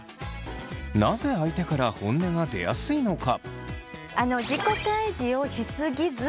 なぜ相手から本音が出やすいのか？